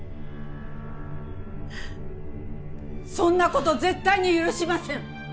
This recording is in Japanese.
そんな事絶対に許しません！